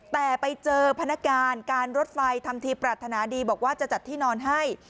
แต่ไปเจอพนักการการรถไฟทำทีปรารถนาดีบอกว่าจะจัดที่นอนให้